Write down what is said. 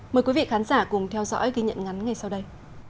mời quý vị khán giả cùng theo dõi ghi nhận ngắn ngay sau đây